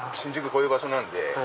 こういう場所なんで。